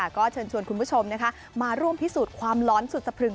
ก็เชิญชวนคุณผู้ชมมาร่วมพิสูจน์ความร้อนสุดสะพรึง